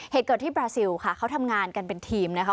เหตุเกิดที่บราซิลค่ะเขาทำงานกันเป็นทีมนะคะ